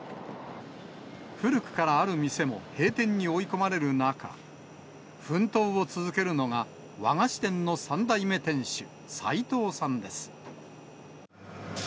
古くからある店も閉店に追い込まれる中、奮闘を続けるのが、和菓子店の３代目店主、斉藤さんです。